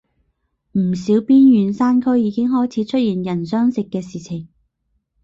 唔少邊遠山區已經開始出現人相食嘅事情